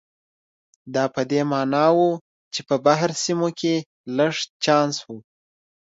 دا په دې معنا و چې په بهر سیمو کې لږ چانس و.